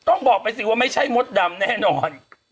ต้องบอกไปสิว่าไม่ใช่มดดำแน่นอน